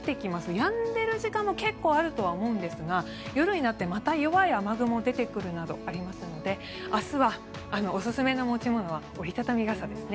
やんでる時間も結構あるとは思うんですが夜になってまた弱い雨雲が出てくるなどありますので明日はおすすめの持ち物は折り畳み傘ですね。